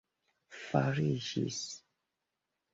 fariĝis